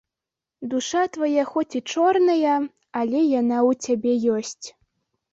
Душа твая хоць і чорная, але яна ў цябе ёсць.